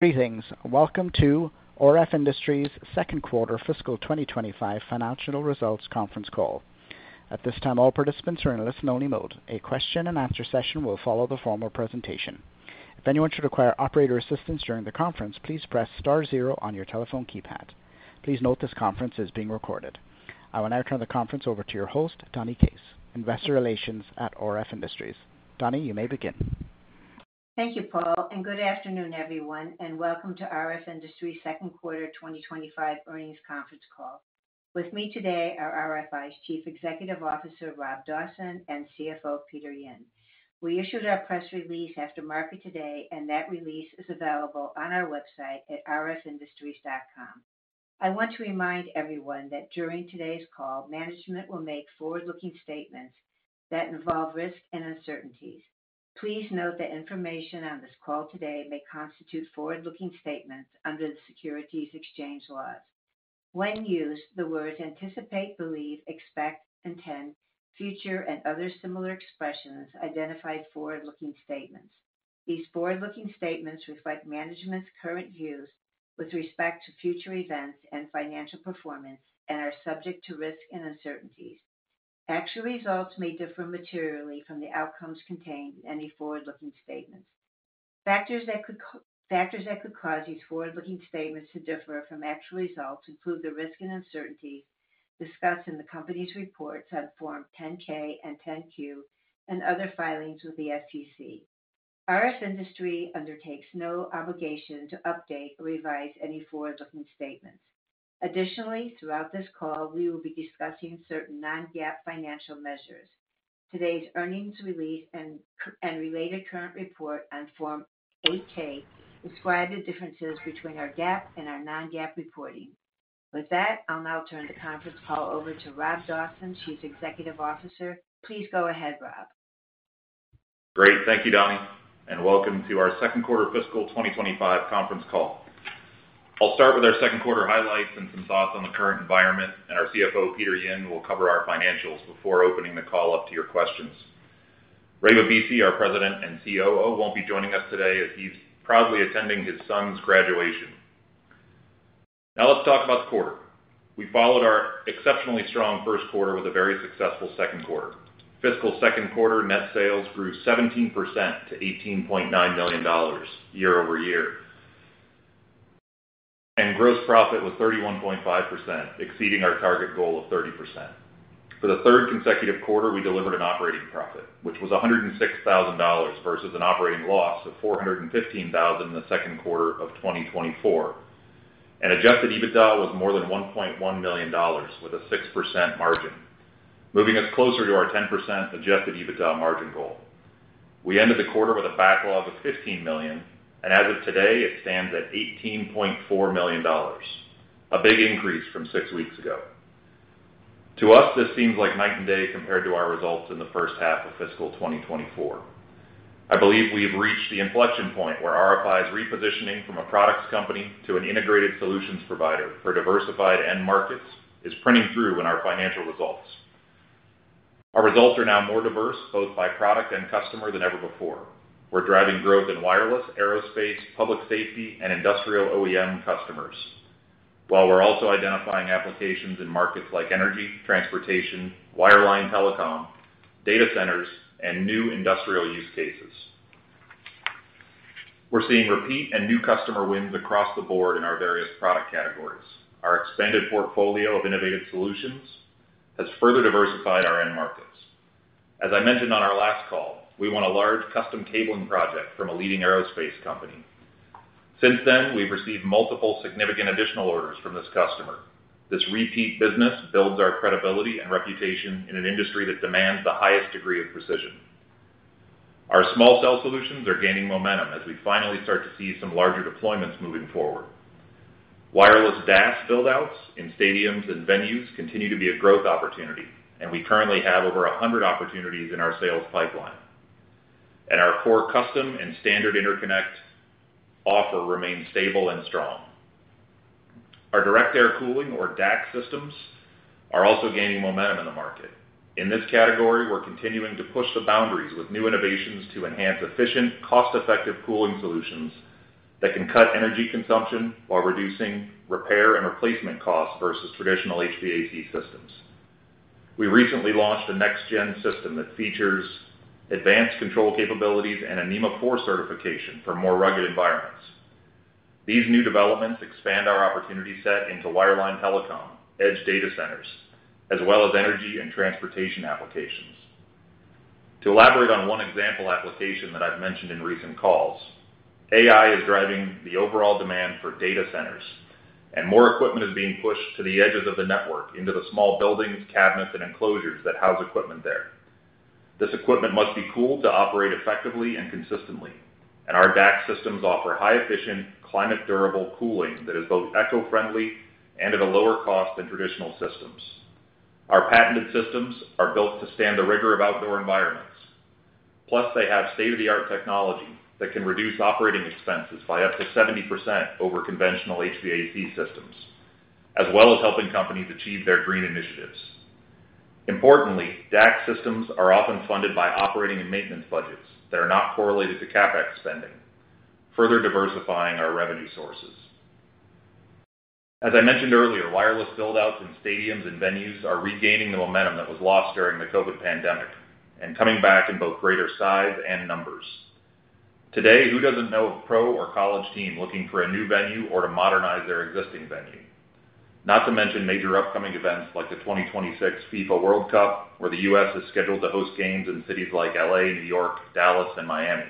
Greetings. Welcome to RF Industries' Second Quarter Fiscal 2025 Financial Results Conference Call. At this time, all participants are in listen-only mode. A question-and-answer session will follow the formal presentation. If anyone should require operator assistance during the conference, please press star zero on your telephone keypad. Please note this conference is being recorded. I will now turn the conference over to your host, Donni Case, Investor Relations at RF Industries. Donni, you may begin. Thank you, Paul, and good afternoon, everyone, and welcome to RF Industries' Second Quarter 2025 Earnings Conference Call. With me today are RFI's Chief Executive Officer, Rob Dawson, and CFO, Peter Yin. We issued our press release after market today, and that release is available on our website at rfindustries.com. I want to remind everyone that during today's call, management will make forward-looking statements that involve risk and uncertainties. Please note that information on this call today may constitute forward-looking statements under the securities exchange laws. When used, the words anticipate, believe, expect, intend, future, and other similar expressions identify forward-looking statements. These forward-looking statements reflect management's current views with respect to future events and financial performance and are subject to risk and uncertainties. Actual results may differ materially from the outcomes contained in any forward-looking statements. Factors that could cause these forward-looking statements to differ from actual results include the risk and uncertainties discussed in the company's reports on Form 10-K and 10-Q and other filings with the SEC. RF Industries undertakes no obligation to update or revise any forward-looking statements. Additionally, throughout this call, we will be discussing certain non-GAAP financial measures. Today's earnings release and related current report on Form 8-K describe the differences between our GAAP and our non-GAAP reporting. With that, I'll now turn the conference call over to Rob Dawson, Chief Executive Officer. Please go ahead, Rob. Great. Thank you, Donni, and welcome to our Second Quarter Fiscal 2025 Conference Call. I'll start with our second quarter highlights and some thoughts on the current environment, and our CFO, Peter Yin, will cover our financials before opening the call up to your questions. Ray Bibisi, our President and COO, won't be joining us today as he's proudly attending his son's graduation. Now let's talk about the quarter. We followed our exceptionally strong first quarter with a very successful second quarter. Fiscal second quarter net sales grew 17% to $18.9 million year-over-year, and gross profit was 31.5%, exceeding our target goal of 30%. For the third consecutive quarter, we delivered an operating profit, which was $106,000 versus an operating loss of $415,000 in the second quarter of 2024. Adjusted EBITDA was more than $1.1 million with a 6% margin, moving us closer to our 10% adjusted EBITDA margin goal. We ended the quarter with a backlog of $15 million, and as of today, it stands at $18.4 million, a big increase from six weeks ago. To us, this seems like night and day compared to our results in the first half of fiscal 2024. I believe we have reached the inflection point where RFI's repositioning from a products company to an integrated solutions provider for diversified end markets is printing through in our financial results. Our results are now more diverse, both by product and customer, than ever before. We are driving growth in wireless, aerospace, public safety, and industrial OEM customers, while we are also identifying applications in markets like energy, transportation, wireline telecom, data centers, and new industrial use cases. We're seeing repeat and new customer wins across the board in our various product categories. Our expanded portfolio of innovative solutions has further diversified our end markets. As I mentioned on our last call, we won a large custom cabling project from a leading aerospace company. Since then, we've received multiple significant additional orders from this customer. This repeat business builds our credibility and reputation in an industry that demands the highest degree of precision. Our small cell solutions are gaining momentum as we finally start to see some larger deployments moving forward. Wireless DAS buildouts in stadiums and venues continue to be a growth opportunity, and we currently have over 100 opportunities in our sales pipeline. Our core custom and standard interconnect offer remains stable and strong. Our direct air cooling, or DAC, systems are also gaining momentum in the market. In this category, we're continuing to push the boundaries with new innovations to enhance efficient, cost-effective cooling solutions that can cut energy consumption while reducing repair and replacement costs versus traditional HVAC systems. We recently launched a next-gen system that features advanced control capabilities and a NEMA 4 certification for more rugged environments. These new developments expand our opportunity set into wireline telecom, edge data centers, as well as energy and transportation applications. To elaborate on one example application that I've mentioned in recent calls, AI is driving the overall demand for data centers, and more equipment is being pushed to the edges of the network into the small buildings, cabinets, and enclosures that house equipment there. This equipment must be cooled to operate effectively and consistently, and our DAC systems offer high-efficient, climate-durable cooling that is both eco-friendly and at a lower cost than traditional systems. Our patented systems are built to stand the rigor of outdoor environments. Plus, they have state-of-the-art technology that can reduce operating expenses by up to 70% over conventional HVAC systems, as well as helping companies achieve their green initiatives. Importantly, DAC systems are often funded by operating and maintenance budgets that are not correlated to CapEx spending, further diversifying our revenue sources. As I mentioned earlier, wireless buildouts in stadiums and venues are regaining the momentum that was lost during the COVID pandemic and coming back in both greater size and numbers. Today, who does not know of a pro or college team looking for a new venue or to modernize their existing venue? Not to mention major upcoming events like the 2026 FIFA World Cup, where the U.S. is scheduled to host games in cities like L.A., New York, Dallas, and Miami,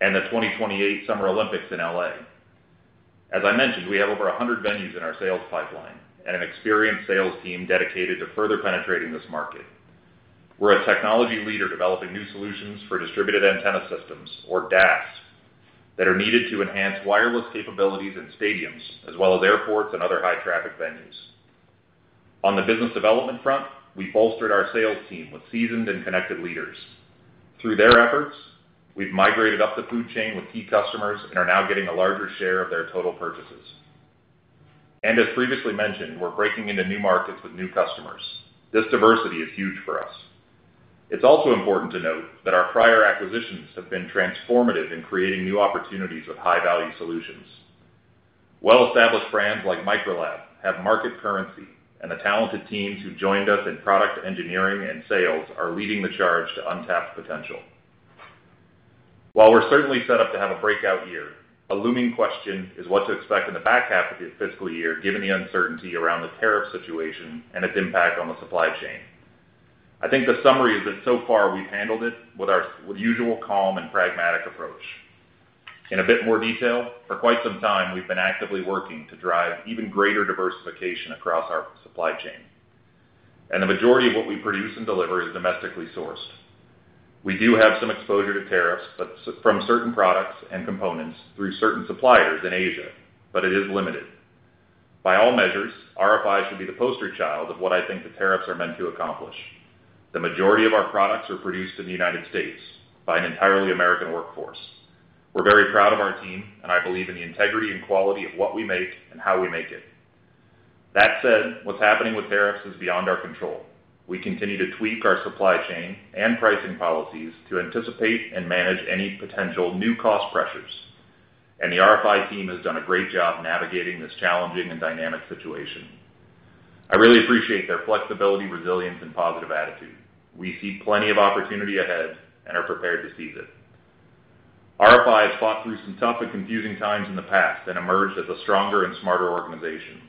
and the 2028 Summer Olympics in L.A.. As I mentioned, we have over 100 venues in our sales pipeline and an experienced sales team dedicated to further penetrating this market. We're a technology leader developing new solutions for distributed antenna systems, or DAS, that are needed to enhance wireless capabilities in stadiums, as well as airports and other high-traffic venues. On the business development front, we've bolstered our sales team with seasoned and connected leaders. Through their efforts, we've migrated up the food chain with key customers and are now getting a larger share of their total purchases. As previously mentioned, we're breaking into new markets with new customers. This diversity is huge for us. It's also important to note that our prior acquisitions have been transformative in creating new opportunities with high-value solutions. Well-established brands like Microlab have market currency, and the talented teams who joined us in product engineering and sales are leading the charge to untapped potential. While we're certainly set up to have a breakout year, a looming question is what to expect in the back half of the fiscal year given the uncertainty around the tariff situation and its impact on the supply chain. I think the summary is that so far we've handled it with our usual calm and pragmatic approach. In a bit more detail, for quite some time, we've been actively working to drive even greater diversification across our supply chain. The majority of what we produce and deliver is domestically sourced. We do have some exposure to tariffs from certain products and components through certain suppliers in Asia, but it is limited. By all measures, RFI should be the poster child of what I think the tariffs are meant to accomplish. The majority of our products are produced in the United States by an entirely American workforce. We're very proud of our team, and I believe in the integrity and quality of what we make and how we make it. That said, what's happening with tariffs is beyond our control. We continue to tweak our supply chain and pricing policies to anticipate and manage any potential new cost pressures. The RFI team has done a great job navigating this challenging and dynamic situation. I really appreciate their flexibility, resilience, and positive attitude. We see plenty of opportunity ahead and are prepared to seize it. RFI has fought through some tough and confusing times in the past and emerged as a stronger and smarter organization.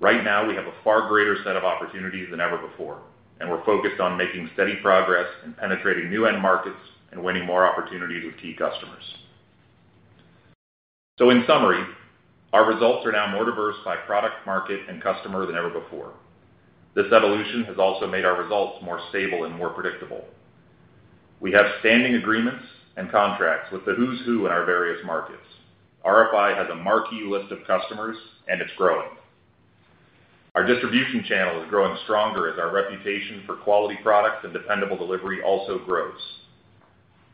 Right now, we have a far greater set of opportunities than ever before, and we're focused on making steady progress in penetrating new end markets and winning more opportunities with key customers. In summary, our results are now more diverse by product, market, and customer than ever before. This evolution has also made our results more stable and more predictable. We have standing agreements and contracts with the who's who in our various markets. RFI has a marquee list of customers, and it's growing. Our distribution channel is growing stronger as our reputation for quality products and dependable delivery also grows.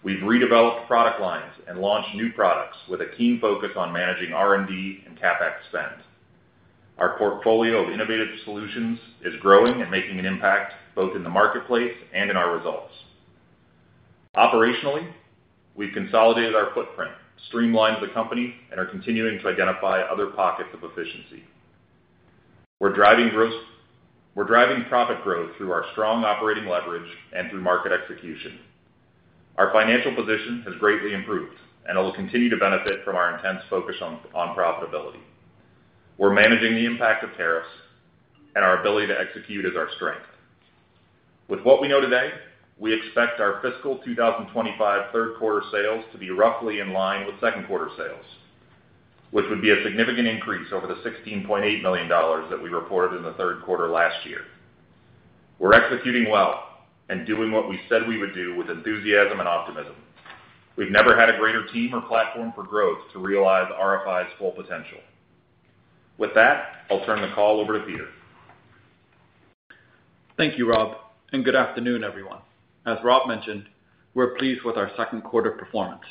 We've redeveloped product lines and launched new products with a keen focus on managing R&D and CapEx spend. Our portfolio of innovative solutions is growing and making an impact both in the marketplace and in our results. Operationally, we've consolidated our footprint, streamlined the company, and are continuing to identify other pockets of efficiency. We're driving profit growth through our strong operating leverage and through market execution. Our financial position has greatly improved, and it will continue to benefit from our intense focus on profitability. We're managing the impact of tariffs, and our ability to execute is our strength. With what we know today, we expect our fiscal 2025 third quarter sales to be roughly in line with second quarter sales, which would be a significant increase over the $16.8 million that we reported in the third quarter last year. We're executing well and doing what we said we would do with enthusiasm and optimism. We've never had a greater team or platform for growth to realize RFI's full potential. With that, I'll turn the call over to Peter. Thank you, Rob, and good afternoon, everyone. As Rob mentioned, we're pleased with our second quarter performance.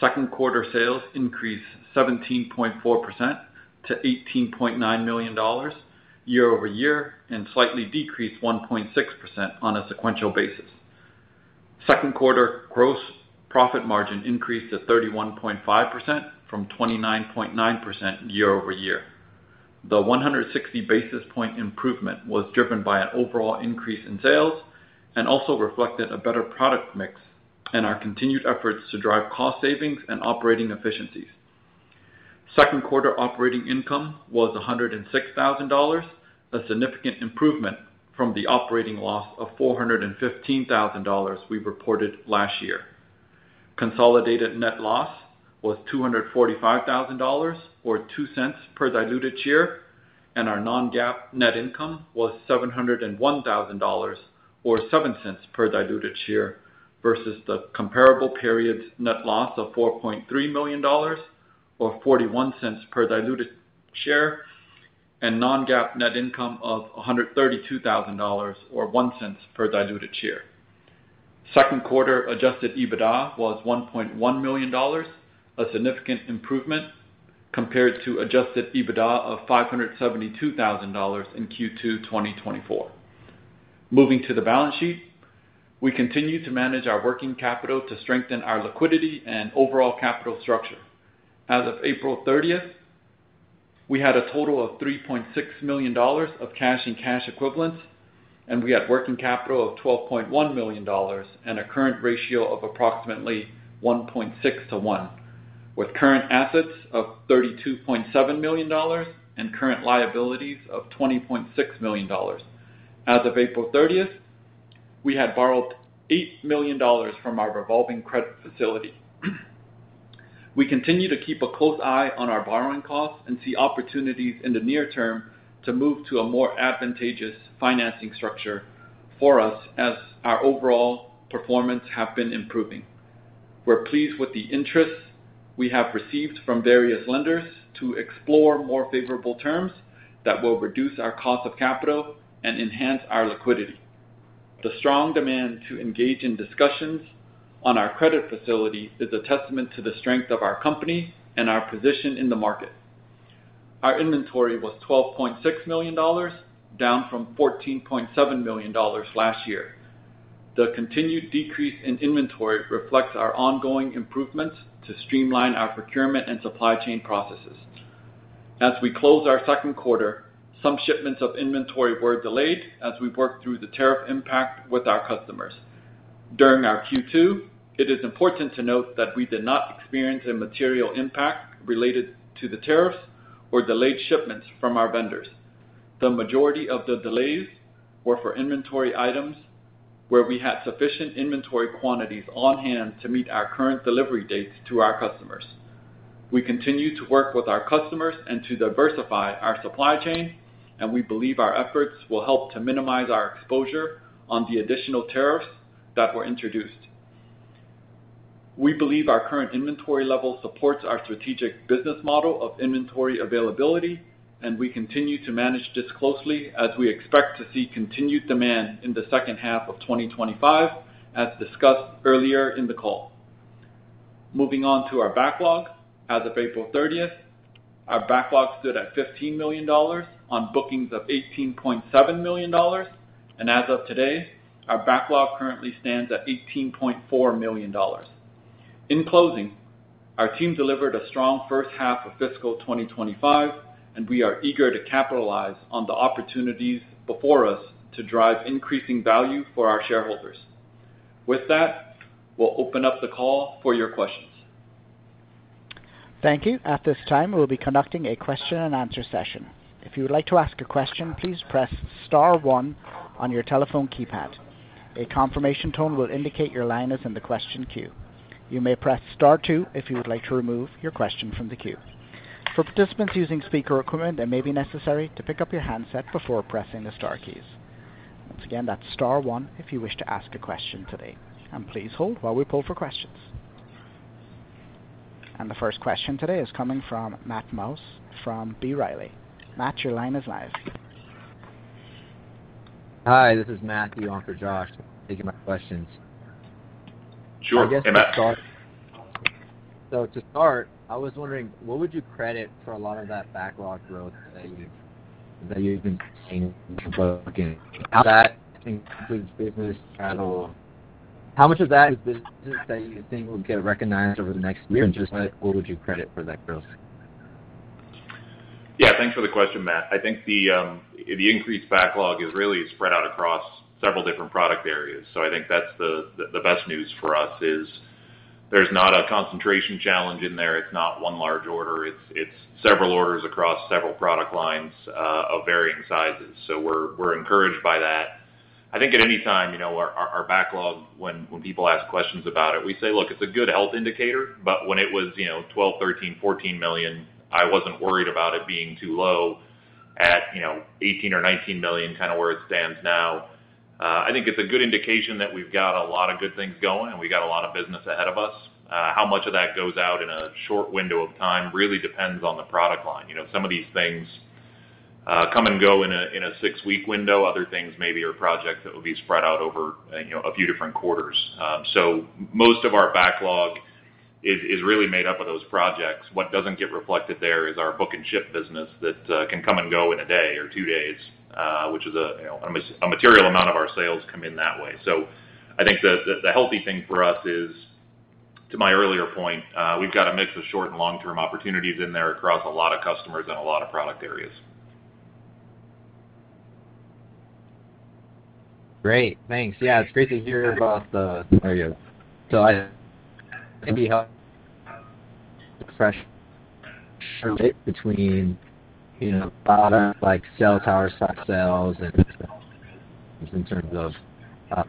Second quarter sales increased 17.4% to $18.9 million year-over-year and slightly decreased 1.6% on a sequential basis. Second quarter gross profit margin increased at 31.5% from 29.9% year-over-year. The 160 basis point improvement was driven by an overall increase in sales and also reflected a better product mix and our continued efforts to drive cost savings and operating efficiencies. Second quarter operating income was $106,000, a significant improvement from the operating loss of $415,000 we reported last year. Consolidated net loss was $245,000 or $0.02 per diluted share, and our non-GAAP net income was $701,000 or $0.07 per diluted share versus the comparable period's net loss of $4.3 million or $0.41 per diluted share and non-GAAP net income of $132,000 or $0.01 per diluted share. Second quarter adjusted EBITDA was $1.1 million, a significant improvement compared to adjusted EBITDA of $572,000 in Q2 2024. Moving to the balance sheet, we continue to manage our working capital to strengthen our liquidity and overall capital structure. As of April 30th, we had a total of $3.6 million of cash and cash equivalents, and we had working capital of $12.1 million and a current ratio of approximately 1.6 to 1, with current assets of $32.7 million and current liabilities of $20.6 million. As of April 30th, we had borrowed $8 million from our revolving credit facility. We continue to keep a close eye on our borrowing costs and see opportunities in the near term to move to a more advantageous financing structure for us as our overall performance has been improving. We're pleased with the interest we have received from various lenders to explore more favorable terms that will reduce our cost of capital and enhance our liquidity. The strong demand to engage in discussions on our credit facility is a testament to the strength of our company and our position in the market. Our inventory was $12.6 million, down from $14.7 million last year. The continued decrease in inventory reflects our ongoing improvements to streamline our procurement and supply chain processes. As we close our second quarter, some shipments of inventory were delayed as we worked through the tariff impact with our customers. During our Q2, it is important to note that we did not experience a material impact related to the tariffs or delayed shipments from our vendors. The majority of the delays were for inventory items where we had sufficient inventory quantities on hand to meet our current delivery dates to our customers. We continue to work with our customers and to diversify our supply chain, and we believe our efforts will help to minimize our exposure on the additional tariffs that were introduced. We believe our current inventory level supports our strategic business model of inventory availability, and we continue to manage this closely as we expect to see continued demand in the second half of 2025, as discussed earlier in the call. Moving on to our backlog, as of April 30th, our backlog stood at $15 million on bookings of $18.7 million, and as of today, our backlog currently stands at $18.4 million. In closing, our team delivered a strong first half of fiscal 2025, and we are eager to capitalize on the opportunities before us to drive increasing value for our shareholders. With that, we'll open up the call for your questions. Thank you. At this time, we'll be conducting a question-and-answer session. If you would like to ask a question, please press star one on your telephone keypad. A confirmation tone will indicate your line is in the question queue. You may press star two if you would like to remove your question from the queue. For participants using speaker equipment, it may be necessary to pick up your handset before pressing the star keys. Once again, that's star one if you wish to ask a question today. Please hold while we pull for questions. The first question today is coming from Matt Mouse from B. Riley. Matt, your line is live. Hi, this is Matthew on for Josh. I'm taking my questions. Sure, hey Matt. I guess to start. To start, I was wondering, what would you credit for a lot of that backlog growth that you've been seeing in the booking? That includes business travel. How much of that is business that you think will get recognized over the next year? Just what would you credit for that growth? Yeah, thanks for the question, Matt. I think the increased backlog is really spread out across several different product areas. I think that's the best news for us is there's not a concentration challenge in there. It's not one large order. It's several orders across several product lines of varying sizes. We're encouraged by that. I think at any time, our backlog, when people ask questions about it, we say, "Look, it's a good health indicator," but when it was $12, $13, $14 million, I wasn't worried about it being too low at $18 or $19 million, kind of where it stands now. I think it's a good indication that we've got a lot of good things going and we've got a lot of business ahead of us. How much of that goes out in a short window of time really depends on the product line. Some of these things come and go in a six-week window. Other things maybe are projects that will be spread out over a few different quarters. Most of our backlog is really made up of those projects. What does not get reflected there is our book and ship business that can come and go in a day or two days, which is a material amount of our sales come in that way. I think the healthy thing for us is, to my earlier point, we have got a mix of short and long-term opportunities in there across a lot of customers and a lot of product areas. Great. Thanks. Yeah, it's great to hear about the—there you go. I think we have a fresh relationship between products like sales tower, slack sales, and in terms of.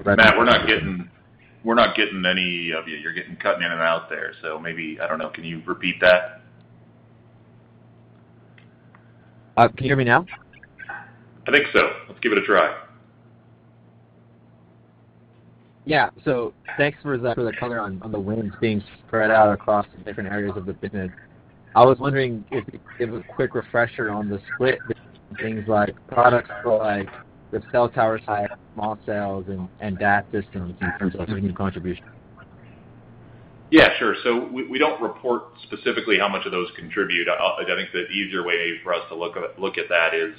Matt, we're not getting any of you. You're cutting in and out there. Maybe, I don't know, can you repeat that? Can you hear me now? I think so. Let's give it a try. Yeah. Thanks for the color on the wins being spread out across different areas of the business. I was wondering if a quick refresher on the split between things like products for the sales tower side, small cells, and DAS systems in terms of contribution? Yeah, sure. We don't report specifically how much of those contribute. I think the easier way for us to look at that is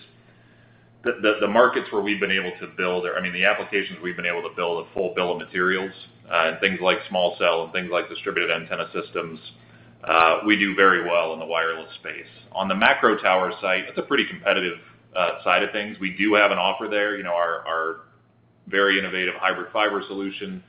the markets where we've been able to build, I mean, the applications we've been able to build a full bill of materials and things like small cell and things like distributed antenna systems. We do very well in the wireless space. On the macro tower side, it's a pretty competitive side of things. We do have an offer there. Our very innovative hybrid fiber solution,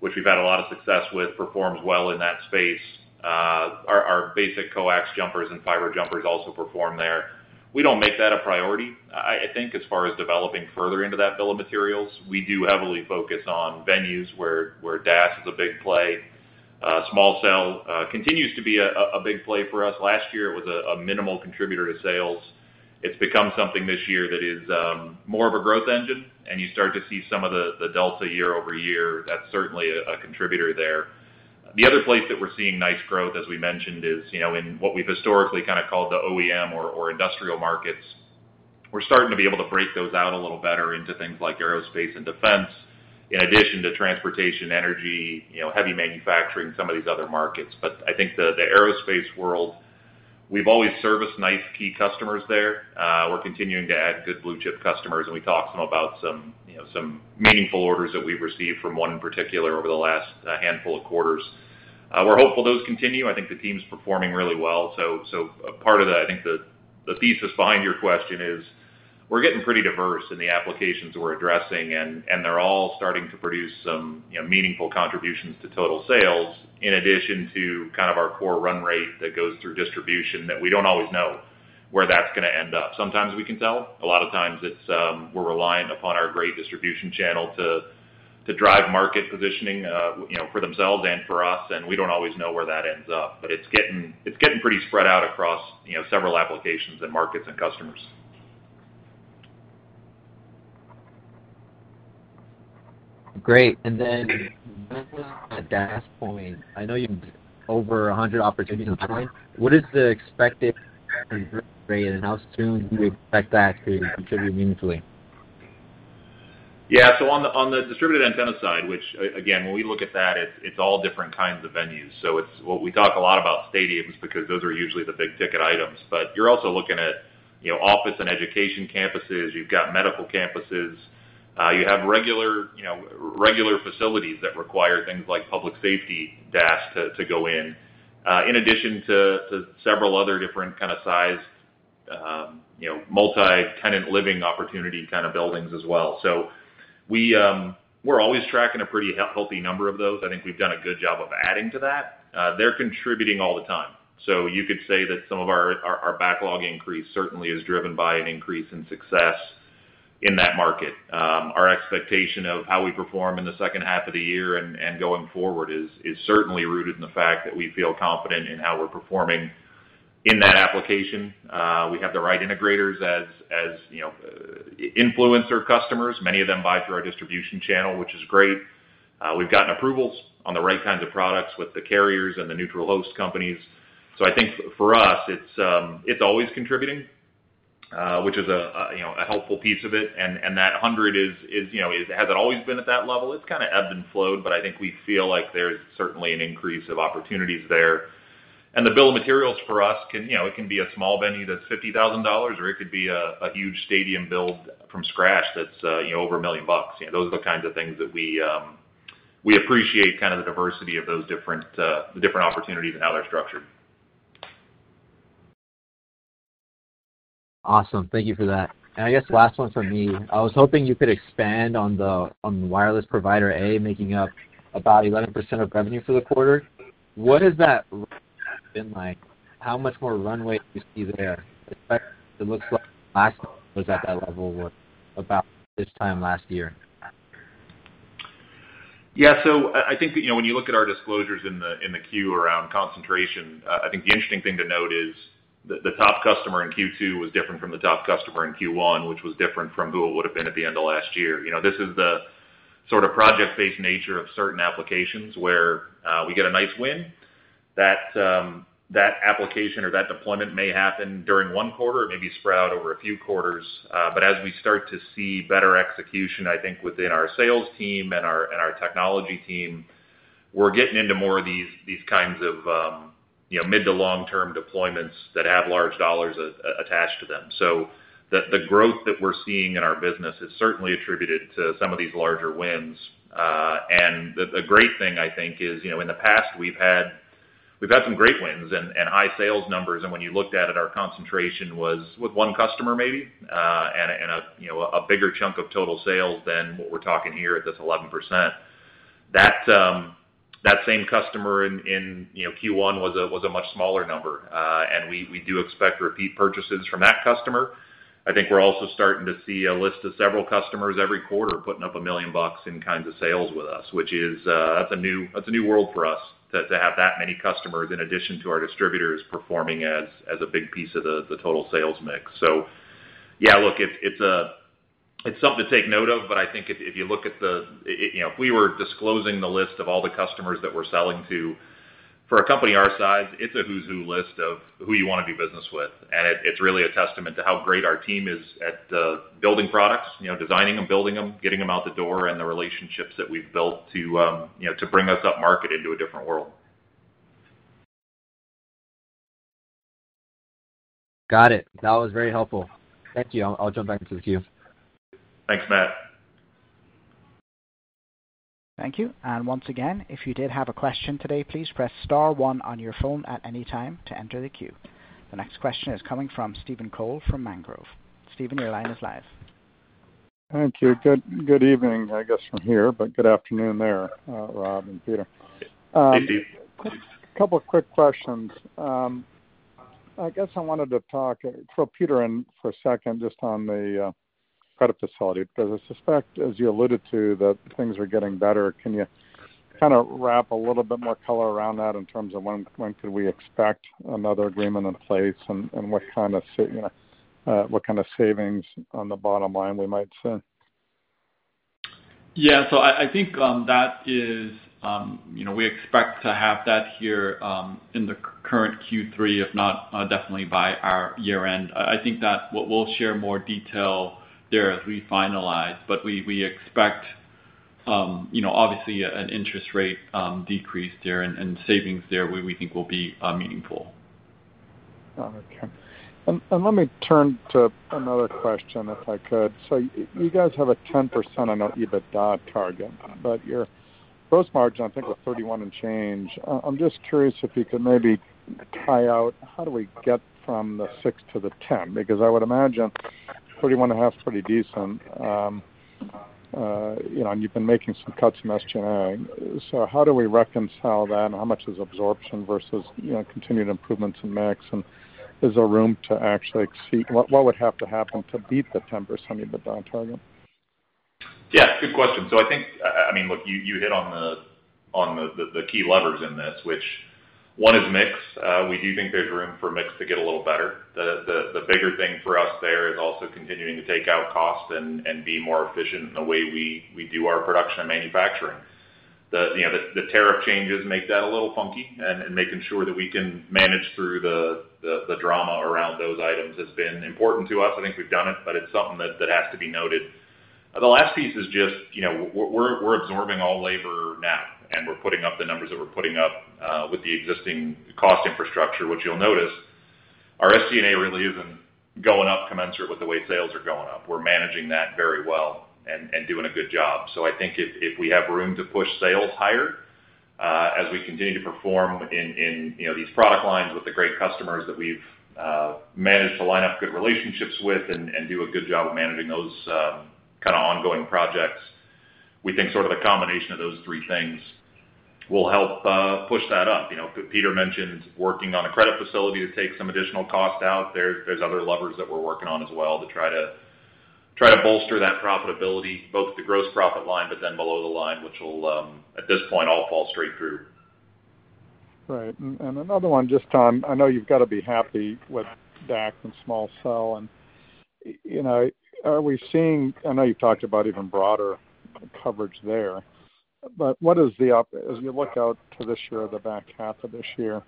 which we've had a lot of success with, performs well in that space. Our basic coax jumpers and fiber jumpers also perform there. We don't make that a priority, I think, as far as developing further into that bill of materials. We do heavily focus on venues where DAS is a big play. Small cell continues to be a big play for us. Last year, it was a minimal contributor to sales. It's become something this year that is more of a growth engine, and you start to see some of the delta year-over-year. That's certainly a contributor there. The other place that we're seeing nice growth, as we mentioned, is in what we've historically kind of called the OEM or industrial markets. We're starting to be able to break those out a little better into things like aerospace and defense, in addition to transportation, energy, heavy manufacturing, some of these other markets. I think the aerospace world, we've always serviced nice key customers there. We're continuing to add good blue chip customers, and we talked to them about some meaningful orders that we've received from one in particular over the last handful of quarters. We're hopeful those continue. I think the team's performing really well. Part of the, I think, the thesis behind your question is we're getting pretty diverse in the applications we're addressing, and they're all starting to produce some meaningful contributions to total sales, in addition to kind of our core run rate that goes through distribution that we don't always know where that's going to end up. Sometimes we can tell. A lot of times we're reliant upon our great distribution channel to drive market positioning for themselves and for us, and we don't always know where that ends up. It's getting pretty spread out across several applications and markets and customers. Great. At the DAS point, I know you have over 100 opportunities to join. What is the expected contributor rate, and how soon do you expect that to contribute meaningfully? Yeah. On the distributed antenna side, which, again, when we look at that, it's all different kinds of venues. We talk a lot about stadiums because those are usually the big ticket items. You're also looking at office and education campuses. You've got medical campuses. You have regular facilities that require things like public safety DAS to go in, in addition to several other different kind of size multi-tenant living opportunity kind of buildings as well. We're always tracking a pretty healthy number of those. I think we've done a good job of adding to that. They're contributing all the time. You could say that some of our backlog increase certainly is driven by an increase in success in that market. Our expectation of how we perform in the second half of the year and going forward is certainly rooted in the fact that we feel confident in how we're performing in that application. We have the right integrators as influencer customers. Many of them buy through our distribution channel, which is great. We've gotten approvals on the right kinds of products with the carriers and the neutral host companies. I think for us, it's always contributing, which is a helpful piece of it. That 100 has always been at that level. It's kind of ebbed and flowed, but I think we feel like there's certainly an increase of opportunities there. The bill of materials for us, it can be a small venue that's $50,000, or it could be a huge stadium built from scratch that's over a million bucks. Those are the kinds of things that we appreciate, kind of the diversity of those different opportunities and how they're structured. Awesome. Thank you for that. I guess last one for me. I was hoping you could expand on the wireless provider A making up about 11% of revenue for the quarter. What has that been like? How much more runway do you see there? It looks like last year was at that level about this time last year. Yeah. So I think when you look at our disclosures in the queue around concentration, I think the interesting thing to note is the top customer in Q2 was different from the top customer in Q1, which was different from who it would have been at the end of last year. This is the sort of project-based nature of certain applications where we get a nice win. That application or that deployment may happen during one quarter or maybe spread out over a few quarters. As we start to see better execution, I think within our sales team and our technology team, we're getting into more of these kinds of mid to long-term deployments that have large dollars attached to them. The growth that we're seeing in our business is certainly attributed to some of these larger wins. The great thing, I think, is in the past, we've had some great wins and high sales numbers. When you looked at it, our concentration was with one customer maybe and a bigger chunk of total sales than what we're talking here at this 11%. That same customer in Q1 was a much smaller number. We do expect repeat purchases from that customer. I think we're also starting to see a list of several customers every quarter putting up a million bucks in kinds of sales with us, which is a new world for us to have that many customers in addition to our distributors performing as a big piece of the total sales mix. Yeah, look, it's something to take note of, but I think if you look at the, if we were disclosing the list of all the customers that we're selling to for a company our size, it's a who's who list of who you want to do business with. It's really a testament to how great our team is at building products, designing them, building them, getting them out the door, and the relationships that we've built to bring us up market into a different world. Got it. That was very helpful. Thank you. I'll jump back into the queue. Thanks, Matt. Thank you. If you did have a question today, please press star one on your phone at any time to enter the queue. The next question is coming from Steven Kohl from Mangrove. Steven, your line is live. Thank you. Good evening, I guess, from here, but good afternoon there, Rob and Peter. Thank you. A couple of quick questions. I guess I wanted to talk for Peter for a second just on the credit facility because I suspect, as you alluded to, that things are getting better. Can you kind of wrap a little bit more color around that in terms of when could we expect another agreement in place and what kind of savings on the bottom line we might see? Yeah. I think that is we expect to have that here in the current Q3, if not definitely by our year-end. I think that we'll share more detail there as we finalize, but we expect, obviously, an interest rate decrease there and savings there we think will be meaningful. Got it. Let me turn to another question, if I could. You guys have a 10% on your EBITDA target, but your gross margin, I think, was 31 and change. I'm just curious if you could maybe tie out how do we get from the 6 to the 10? I would imagine 31 and a half is pretty decent. You've been making some cuts in SG&A. How do we reconcile that? How much is absorption versus continued improvements in mix? Is there room to actually exceed? What would have to happen to beat the 10% EBITDA target? Yeah. Good question. I think, I mean, look, you hit on the key levers in this, which one is mix. We do think there's room for mix to get a little better. The bigger thing for us there is also continuing to take out costs and be more efficient in the way we do our production and manufacturing. The tariff changes make that a little funky, and making sure that we can manage through the drama around those items has been important to us. I think we've done it, but it's something that has to be noted. The last piece is just we're absorbing all labor now, and we're putting up the numbers that we're putting up with the existing cost infrastructure. What you'll notice, our SG&A really isn't going up commensurate with the way sales are going up. We're managing that very well and doing a good job. I think if we have room to push sales higher as we continue to perform in these product lines with the great customers that we've managed to line up good relationships with and do a good job of managing those kind of ongoing projects, we think sort of the combination of those three things will help push that up. Peter mentioned working on a credit facility to take some additional cost out. There's other levers that we're working on as well to try to bolster that profitability, both the gross profit line, but then below the line, which will, at this point, all fall straight through. Right. Another one, just on I know you've got to be happy with DAC and small cell. Are we seeing, I know you've talked about even broader coverage there, but what is the, as you look out to this year, the back half of this year,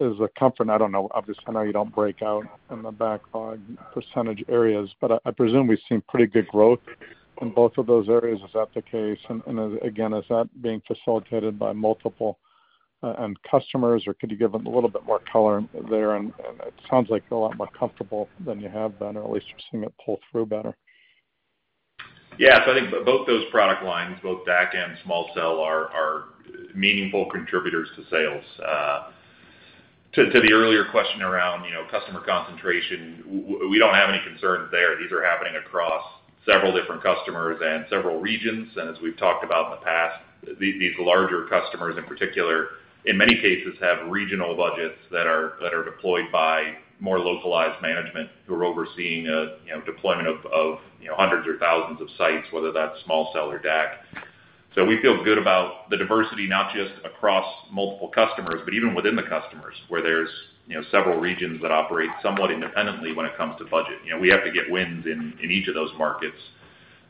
is the company—I don't know. Obviously, I know you don't break out in the backlog percentage areas, but I presume we've seen pretty good growth in both of those areas. Is that the case? Again, is that being facilitated by multiple end customers, or could you give them a little bit more color there? It sounds like they're a lot more comfortable than you have been, or at least you're seeing it pull through better. Yeah. I think both those product lines, both DAC and small cell, are meaningful contributors to sales. To the earlier question around customer concentration, we do not have any concerns there. These are happening across several different customers and several regions. As we have talked about in the past, these larger customers, in particular, in many cases, have regional budgets that are deployed by more localized management who are overseeing a deployment of hundreds or thousands of sites, whether that is small cell or DAC. We feel good about the diversity, not just across multiple customers, but even within the customers, where there are several regions that operate somewhat independently when it comes to budget. We have to get wins in each of those markets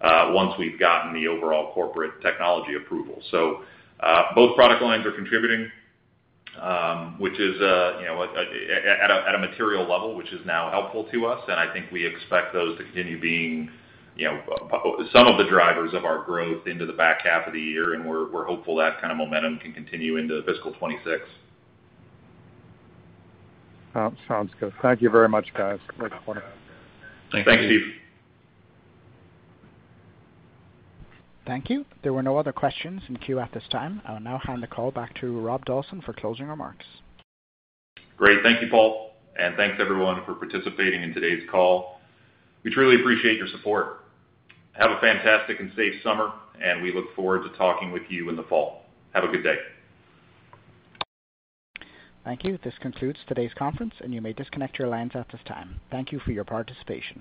once we have gotten the overall corporate technology approval. Both product lines are contributing, which is at a material level, which is now helpful to us. I think we expect those to continue being some of the drivers of our growth into the back half of the year. We're hopeful that kind of momentum can continue into fiscal 2026. Sounds good. Thank you very much, guys. Thank you. Thanks, Steve. Thank you. There were no other questions in queue at this time. I will now hand the call back to Rob Dawson for closing remarks. Great. Thank you, Paul. Thank you, everyone, for participating in today's call. We truly appreciate your support. Have a fantastic and safe summer, and we look forward to talking with you in the fall. Have a good day. Thank you. This concludes today's conference, and you may disconnect your lines at this time. Thank you for your participation.